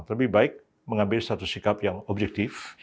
lebih baik mengambil satu sikap yang objektif